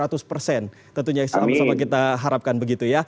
tentunya sama sama kita harapkan begitu ya